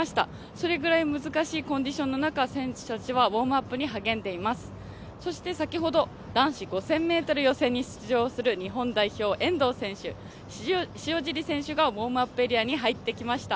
それくらい難しいコンディションの中、選手たちはウォームアップに励んでいます、そして先ほど男子５０００ｍ予選に出場する日本代表、遠藤選手、塩尻選手がウォームアップエリアに入ってきました。